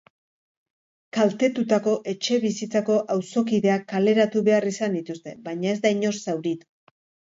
Kaltetutako etxebizitzako auzokideak kaleratu behar izan dituzte, baina ez da inor zauritu.